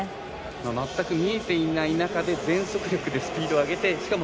全く見えていない中で全速力でスピードを上げてしかも